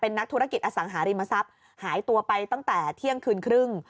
นักธุรกิจอสังหาริมทรัพย์หายตัวไปตั้งแต่เที่ยงคืนครึ่ง